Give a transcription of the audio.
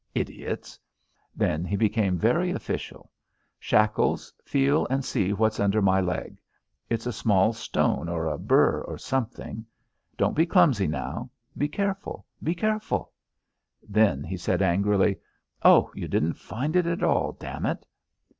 Idiots!" Then he became very official. "Shackles, feel and see what's under my leg. It's a small stone, or a burr, or something. Don't be clumsy now! Be careful! Be careful!" Then he said, angrily, "Oh, you didn't find it at all. Damn it!"